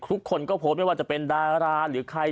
ทุกคนก็โพสต์ไม่ว่าจะเป็นดาราหรือใคร